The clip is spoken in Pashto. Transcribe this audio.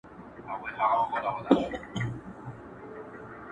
خو درد د ذهن له ژورو نه وځي هېڅکله